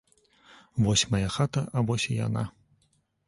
Вось мая хата, а вось і яна.